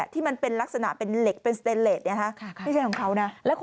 ที่มันเป็นลักษณะเป็นเล็กเป็นสเตนเฬท